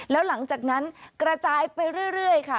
แล้วหลังจากนั้นกระจายไปเรื่อยค่ะ